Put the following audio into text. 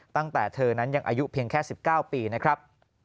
ตั้งแต่เธอนั้นยังอายุเพียงแค่๑๙ปีนะครับ